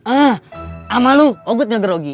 ah sama lu ugut gak grogi